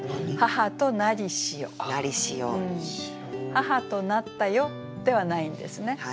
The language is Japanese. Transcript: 「母となったよ」ではないんですね。